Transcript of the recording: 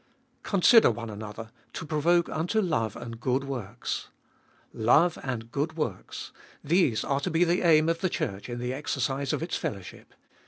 Consider one another, to provoke unto love and good works. Love and good works: These are to be the aim of the Church in the exercise of its fellowship.